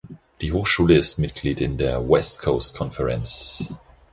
Die Hochschule ist Mitglied in der West Coast Conference.